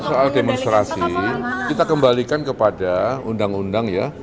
soal demonstrasi kita kembalikan kepada undang undang ya